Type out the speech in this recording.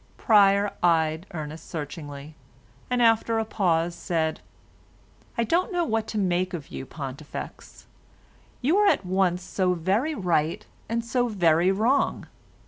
Pryer eyed Ernest searchingly, and after a pause said, "I don't know what to make of you, Pontifex; you are at once so very right and so very wrong.